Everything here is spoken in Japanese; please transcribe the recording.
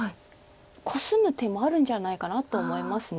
コスむ手もあるんじゃないかなと思います。